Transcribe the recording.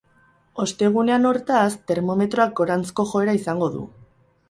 Ostegunean, hortaz, termometroak goranzko joera izango du.